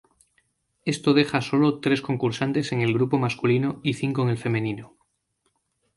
Esto deja solo tres concursantes en el grupo masculino y cinco en el femenino.